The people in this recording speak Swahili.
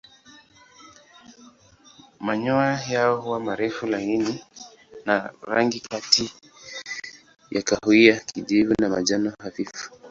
Manyoya yao huwa marefu laini na rangi kati ya kahawia kijivu na manjano hafifu.